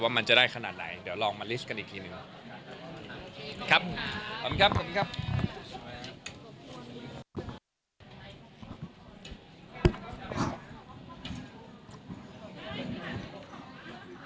มันจะได้ขนาดไหนเดี๋ยวลองมาลิสต์กันอีกทีหนึ่งครับ